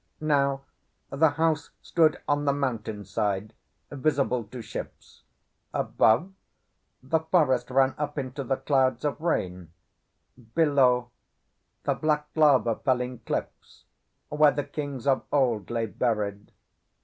Now the house stood on the mountain side, visible to ships. Above, the forest ran up into the clouds of rain; below, the black lava fell in cliffs, where the kings of old lay buried.